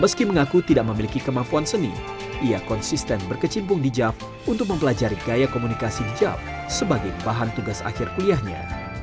meski mengaku tidak memiliki kemampuan seni ia konsisten berkecimpung di jav untuk mempelajari gaya komunikasi di jav sebagai bahan tugas akhir kuliahnya